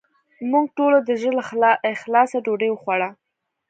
موږ ټولو د زړه له اخلاصه ډوډې وخوړه